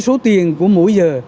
số tiền của mỗi giờ